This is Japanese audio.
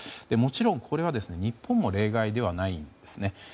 もちろん、これは日本も例外ではないんですね。